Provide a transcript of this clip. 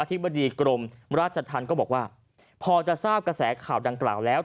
ธิบดีกรมราชธรรมก็บอกว่าพอจะทราบกระแสข่าวดังกล่าวแล้ว